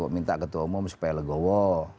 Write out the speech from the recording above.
minta ketua umum supaya legowo